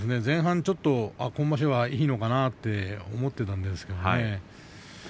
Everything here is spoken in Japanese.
前半、今場所はいいのかなと思ってたんですけどね。